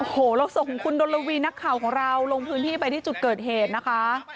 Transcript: โอ้โหเราส่งคุณดนลวีนักข่าวของเราลงพื้นที่ไปที่จุดเกิดเหตุนะคะ